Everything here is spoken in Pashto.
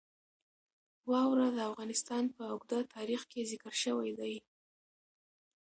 واوره د افغانستان په اوږده تاریخ کې ذکر شوی دی.